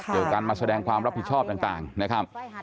เกี่ยวกับการมาแสดงความรับผิดชอบต่างนะครับ